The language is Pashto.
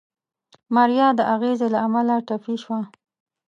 ماريا د اغزي له امله ټپي شوه.